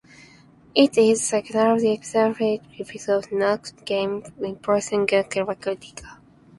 It is the sequel to Digital Reality's previous game, "Imperium Galactica".